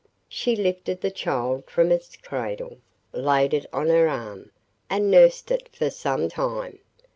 She lifted the child from its cradle, laid it on her arm, and nursed it for some time.